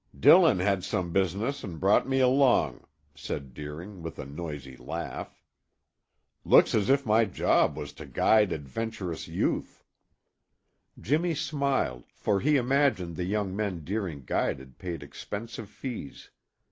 "Dillon had some business and brought me along," said Deering with a noisy laugh. "Looks as if my job was to guide adventurous youth." Jimmy smiled, for he imagined the young men Deering guided paid expensive fees.